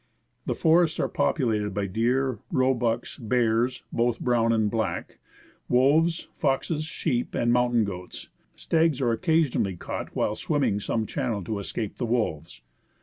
The forests are populated by deer, roebucks, bears (both brown and black), wolves, foxes, sheep, and mountain goats. Stags are occasionally caught while swimming some channel to escape the wolves.